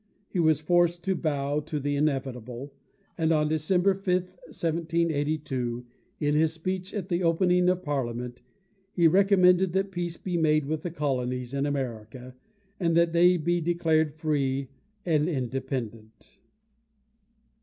He was forced to bow to the inevitable, and on December 5, 1782, in his speech at the opening of Parliament, he recommended that peace be made with the colonies in America, and that they be declared free and independent.